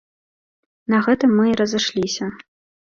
На гэтым мы і разышліся.